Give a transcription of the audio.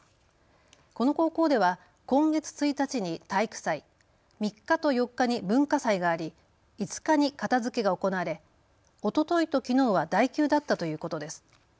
この高校では今月１日に体育祭、３日と４日に文化祭があり、５日に片づけが行われ、おとといときのうは代休だったということです。